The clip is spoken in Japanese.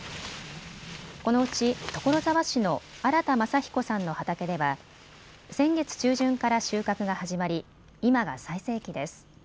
このうち所沢市の荒田正彦さんの畑では先月中旬から収穫が始まり今が最盛期です。